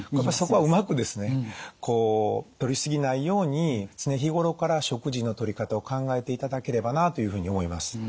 そこはうまくですねこうとりすぎないように常日頃から食事のとり方を考えていただければなというふうに思います。